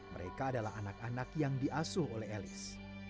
mereka adalah anak anak yang diasuh oleh elis